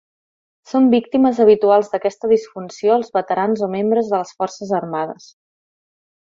Són víctimes habituals d'aquesta disfunció els veterans o membres de les forces armades.